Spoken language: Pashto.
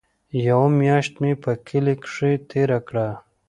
يوه مياشت مې په کلي کښې تېره کړه.